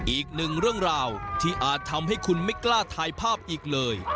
อีกหนึ่งเรื่องราวที่อาจทำให้คุณไม่กล้าถ่ายภาพอีกเลย